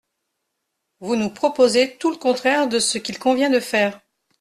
Vous nous proposez tout le contraire de ce qu’il convient de faire.